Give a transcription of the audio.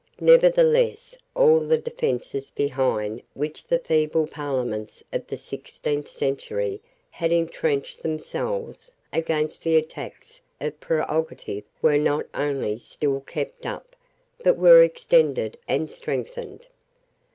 Nevertheless all the defences behind which the feeble Parliaments of the sixteenth century had entrenched themselves against the attacks of prerogative were not only still kept up, but were extended and strengthened.